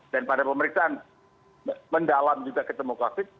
dan pada pemeriksaan mendalam juga ketemu covid